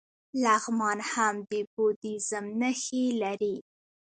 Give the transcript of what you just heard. لغمان هم د بودیزم نښې لري